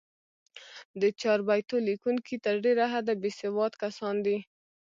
د چاربیتو لیکوونکي تر ډېره حده، بېسواد کسان دي.